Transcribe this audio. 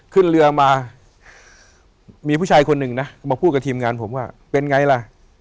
ขึ้นเรือมามีผู้ชายคนหนึ่งนะมาพูดกับทีมงานผมว่าเป็นไงล่ะ